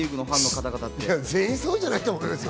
全員そうじゃないと思いますよ。